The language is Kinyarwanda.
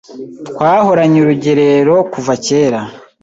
twahoranye Urugerero kuva kera